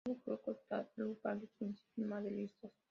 El nuevo club postulaba los principios maderistas.